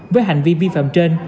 với hành vi vi phạm trên